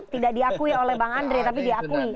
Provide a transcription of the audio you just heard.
tidak diakui oleh bang andre tapi diakui